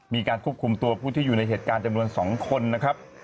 มีการควบคุมตัวผู้ที่อยู่ในเหตุการณ์จำนวน๒คนนะครับ